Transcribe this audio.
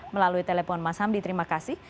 melalui telepon mas hamdi terima kasih